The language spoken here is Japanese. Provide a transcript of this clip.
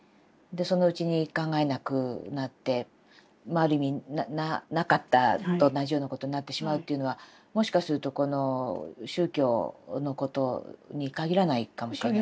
そのうちに考えなくなってまあある意味なかったと同じようなことになってしまうっていうのはもしかするとこの宗教のことに限らないかもしれないですね。